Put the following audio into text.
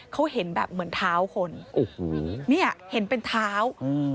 เขาเห็นแบบเหมือนเท้าคนโอ้โหเนี่ยเห็นเป็นเท้าอืม